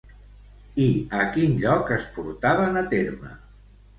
I a quin lloc es portaven a terme?